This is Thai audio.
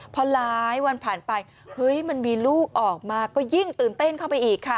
พอหลายวันผ่านไปเฮ้ยมันมีลูกออกมาก็ยิ่งตื่นเต้นเข้าไปอีกค่ะ